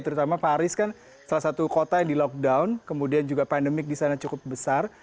terutama paris kan salah satu kota yang di lockdown kemudian juga pandemik di sana cukup besar